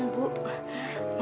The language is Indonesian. sedikit uang bu